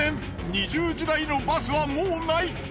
２０時台のバスはもうない。